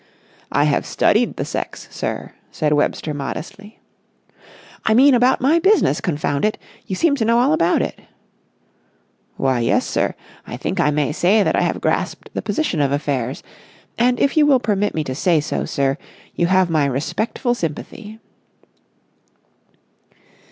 "I have studied the sex, sir," said Webster modestly. "I mean, about my business, confound it! You seem to know all about it!" "Why, yes, sir, I think I may say that I have grasped the position of affairs. And, if you will permit me to say so, sir, you have my respectful sympathy."